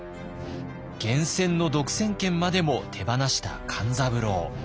源泉の独占権までも手放した勘三郎。